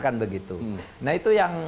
kan begitu nah itu yang